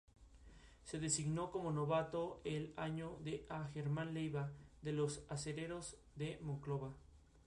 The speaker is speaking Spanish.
Ese mismo año, ofrecen una gira colaborativa de quince conciertos.